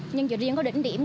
nhưng chỉ riêng có đỉnh điểm